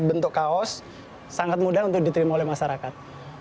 bentuk kaos sangat mudah untuk diterima oleh masyarakat